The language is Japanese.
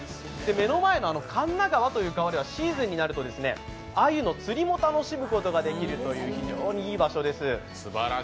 目の前の神流川という川では、シーズンになると鮎の釣りも楽しむこともできるという非常にいい場所です。